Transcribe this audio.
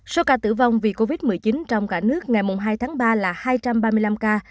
số ca tử vong vì covid một mươi chín trong cả nước ngày hai tháng ba là hai trăm ba mươi năm ca